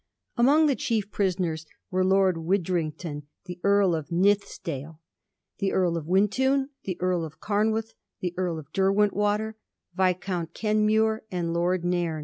Amongst the chief prisoners were Lord Widdring ton, the Earl of Nithisdale, the Earl of Wintoun, the Earl of Camwath, the Earl of Derwentwater, Vis count Kenmure, and Lord Nairn.